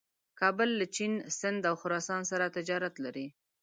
کابل له چین، سیند او خراسان سره تجارت لري.